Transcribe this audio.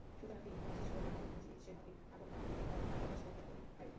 সুতরাং তিনিই মহান সৃষ্টিকর্তা, মালিক, নিজ ইচ্ছেমাফিক আপন মাখলুকের কর্মকাণ্ডে হস্তক্ষেপকারী।